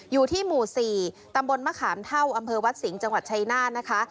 อยู่ที่หมู่๔ตำบลมะขามเท่าอำเภอวัดสิงห์จังหวัดชายนาฏนะคะ